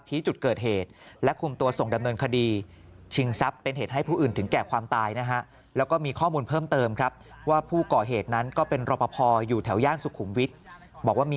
ชี้จุดเกิดเหตุและคุมตัวส่งดำเนินคดี